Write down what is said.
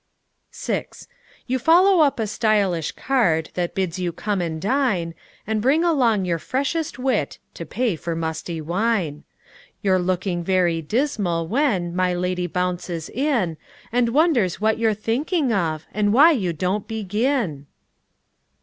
VI You follow up a stylish card That bids you come and dine, And bring along your freshest wit (To pay for musty wine); You're looking very dismal, when My lady bounces in, And wonders what you're thinking of, And why you don't begin!